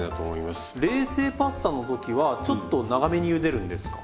冷製パスタの時はちょっと長めにゆでるんですか？